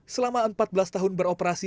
selama empat belas tahun beroperasi